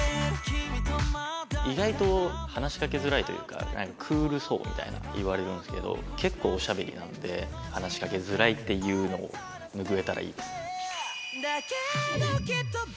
意外と話しかけづらいというかクールそうみたいな言われるんですけど結構おしゃべりなので話しかけづらいっていうのを拭えたらいいですね。